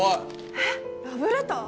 えっラブレター？